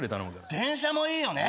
電車もいいよね。